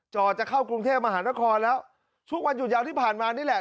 จะเข้ากรุงเทพมหานครแล้วช่วงวันหยุดยาวที่ผ่านมานี่แหละ